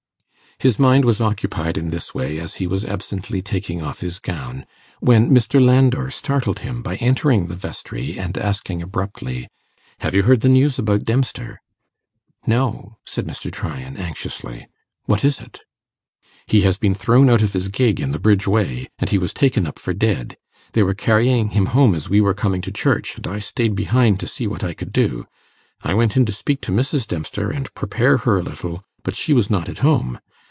His mind was occupied in this way as he was absently taking off his gown, when Mr. Landor startled him by entering the vestry and asking abruptly, 'Have you heard the news about Dempster?' 'No,' said Mr. Tryan, anxiously; 'what is it?' 'He has been thrown out of his gig in the Bridge Way, and he was taken up for dead. They were carrying him home as we were coming to church, and I stayed behind to see what I could do. I went in to speak to Mrs. Dempster, and prepare her a little, but she was not at home.